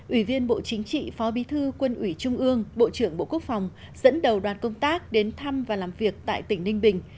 ủy viên bộ chính trị phó bí thư quân ủy trung ương bộ trưởng bộ quốc phòng dẫn đầu đoàn công tác đến thăm và làm việc tại tỉnh ninh bình